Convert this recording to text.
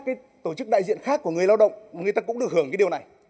các tổ chức đại diện khác của người lao động mà người ta cũng được hưởng cái điều này